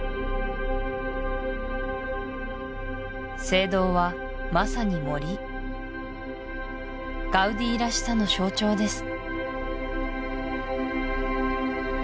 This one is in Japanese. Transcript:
聖堂はまさに森ガウディらしさの象徴です